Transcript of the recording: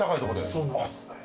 そうなんです。